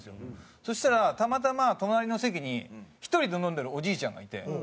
そしたらたまたま隣の席に１人で飲んでるおじいちゃんがいて。